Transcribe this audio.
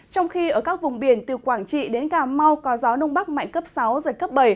trong khi ở các vùng biển từ quảng trị đến cà mau có gió đông bắc mạnh cấp sáu giật cấp bảy